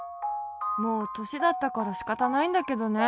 もうとしだったからしかたないんだけどね。